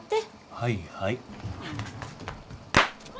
はいはい。